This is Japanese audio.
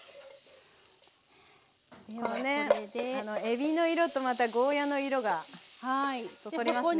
えびの色とまたゴーヤーの色がそそりますね。